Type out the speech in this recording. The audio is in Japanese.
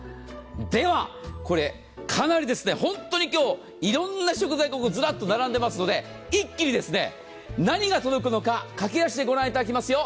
では、これかなり本当に今日いろんな食材が並んでいますので一気に何が届くのか駆け足でご覧いただきますよ。